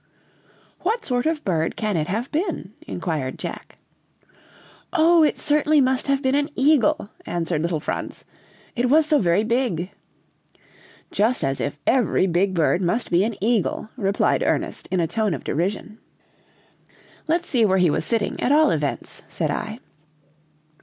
"'What sort of bird can it have been?' inquired Jack. "'Oh, it certainly must have been an eagle,' answered little Franz, 'it was so very big!' "'Just as if every big bird must be an eagle!' replied Ernest, in a tone of derision. "'Let's see where he was sitting, at all events!' said I.